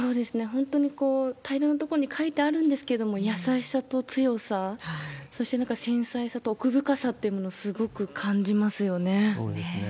本当に平らなところに書いてあるんですけど、優しさと強さ、そしてなんか繊細さと奥深さっていうのをすごく感じますよね。